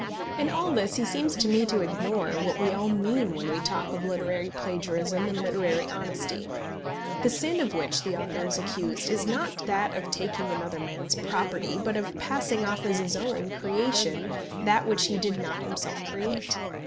In all this he seems to me to ignore what we all mean when we talk of literary plagiarism and literary honesty. The sin of which the author is accused is not that of taking another man's property, but of passing off as his own creation that which he does not himself create.